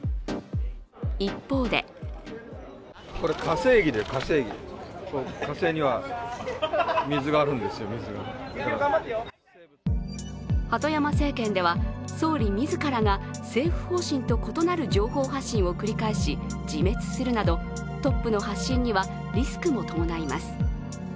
一方で鳩山政権では、総理自らが政府方針と異なる情報発信を繰り返し、自滅するなどトップの発信にはリスクも伴います。